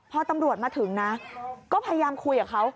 พอตำรวจมาถึงนะก็พยายามคุยกับเขา